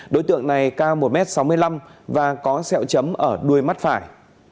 đối tượng này cao một m sáu mươi năm và có sẹo chấm ở đuôi mắt phải